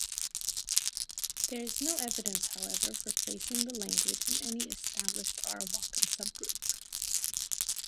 There is no evidence, however, for placing the language in any established Arawakan subgroup.